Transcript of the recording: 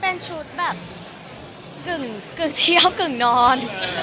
เป็นชุดแบบกึ่งเที่ยวกึ่งนอน